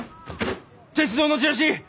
鉄道のチラシ